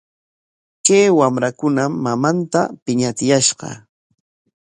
Kay wamrakunam mamanta piñachiyashqa.